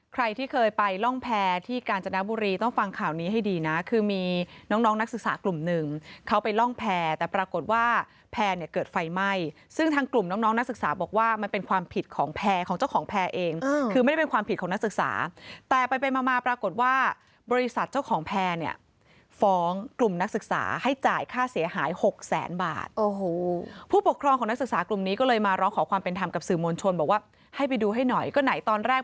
ใครที่เคยไปร่องแพที่กาญจนบุรีต้องฟังข่าวนี้ให้ดีนะคือมีน้องนักศึกษากลุ่มหนึ่งเขาไปร่องแพแต่ปรากฏว่าแพเนี่ยเกิดไฟไหม้ซึ่งทางกลุ่มน้องนักศึกษาบอกว่ามันเป็นความผิดของแพของเจ้าของแพเองคือไม่เป็นความผิดของนักศึกษาแต่ไปไปมามาปรากฏว่าบริษัทเจ้าของแพเนี่ยฟ้องก